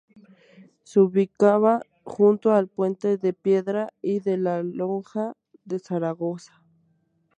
Se ubicaba junto al Puente de Piedra y de la Lonja de Zaragoza.